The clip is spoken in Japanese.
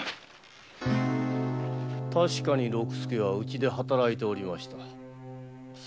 確かに六助はうちで働いておりました。